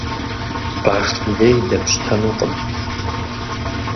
Баш лей дэпщтэнукъым.